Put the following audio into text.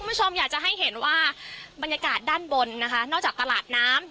คุณผู้ชมอยากจะให้เห็นว่าบรรยากาศด้านบนนะคะนอกจากตลาดน้ำ